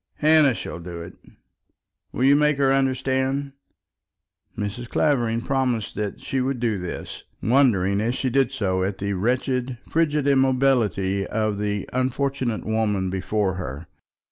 Hannah shall do it. Will you make her understand?" Mrs. Clavering promised that she would do this, wondering, as she did so, at the wretched, frigid immobility of the unfortunate woman before her.